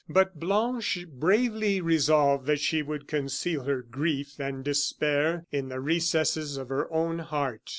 But Blanche bravely resolved that she would conceal her grief and despair in the recesses of her own heart.